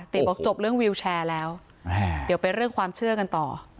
บอกจบเรื่องวิวแชร์แล้วเดี๋ยวไปเรื่องความเชื่อกันต่อ